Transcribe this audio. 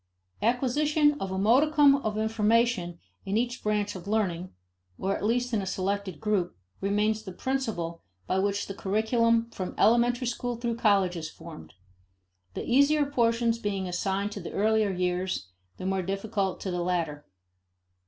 Acquisition of a modicum of information in each branch of learning, or at least in a selected group, remains the principle by which the curriculum, from elementary school through college, is formed; the easier portions being assigned to the earlier years, the more difficult to the later.